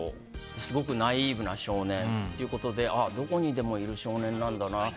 すごくナイーブな少年ということであ、どこにでもいる少年なんだな。